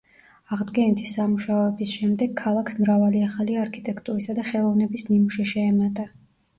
აღდგენითი სამუშაოების შემდეგ, ქალაქს მრავალი ახალი არქიტექტურისა და ხელოვნების ნიმუში შეემატა.